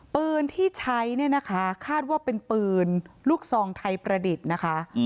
ปืนที่ใช้เนี่ยนะคะคาดว่าเป็นปืนลูกซองไทยประดิษฐ์นะคะ